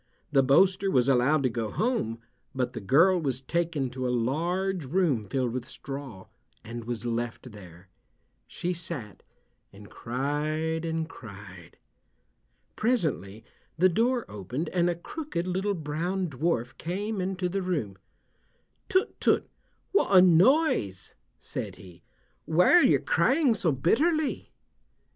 The boaster was allowed to go home, but the girl was taken to a large room filled with straw, and was left there. She sat and cried and cried. Presently the door opened and a crooked little brown dwarf came into the room. "Tut, tut, what a noise," said he. "Why are you crying so bitterly."